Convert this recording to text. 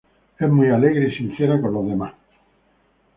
Es muy alegre y sincera con los demás.